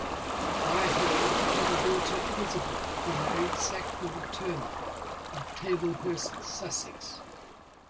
By her he had a daughter Elizabeth, who married Sackville Turnor of Tablehurt, Sussex.